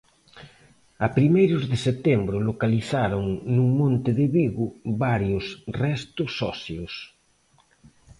A primeiros de setembro localizaron nun monte de Vigo varios restos óseos.